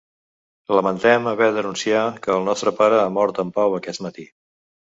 Lamentem haver d’anunciar que el nostre pare ha mort en pau aquest matí.